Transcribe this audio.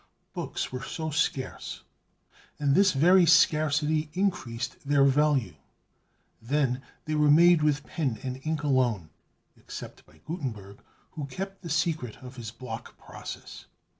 Books were so scarce, and this very scarcity increased their value, then they were made with pen and ink alone, except by Gutenberg, who kept the secret of his block process.